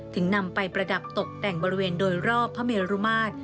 นำไปประดับตกแต่งบริเวณโดยรอบพระเมรุมาตร